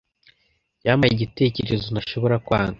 Yampaye igitekerezo ntashobora kwanga.